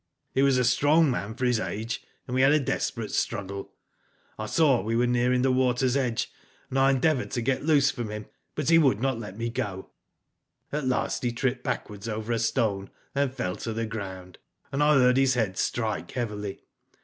He was a strong man for his age, and we had a desperate struggle. Digitized byGoogk 254 IVHO DID ITf I saw we were nearing the waters edge, and I endeavoured to get loose from him, but he would not let me go. '* At last he tripped backwards over a stone and fell to the ground, and I heard his head strike heavily.